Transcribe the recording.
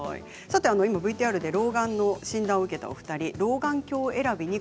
ＶＴＲで老眼の診療を受けたお二人、老眼鏡選びに